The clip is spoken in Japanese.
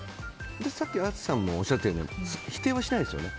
さっき淳さんもおっしゃったように否定はしないですよね。